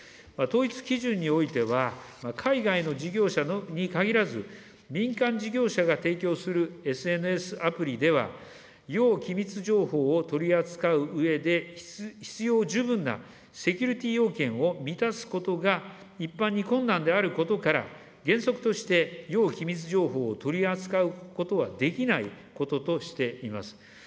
統一基準においては、海外の事業者に限らず、民間事業者が提供するＳＮＳアプリでは、要機密情報を取り扱ううえで必要十分なセキュリティー要件を満たすことが、一般に困難であることから、原則として要機密情報を取り扱うことはできないこととしています。